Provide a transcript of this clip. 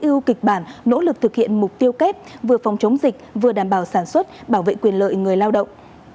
yêu kịch bản nỗ lực thực hiện mục tiêu kép vừa phòng chống dịch vừa đảm bảo sản xuất bảo vệ quyền lợi người lao động